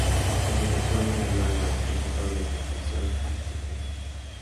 El director es Darío Álvarez, profesor de Composición Arquitectónica.